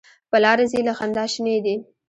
په لاره ځي له خندا شینې دي.